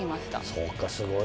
そうかすごいね。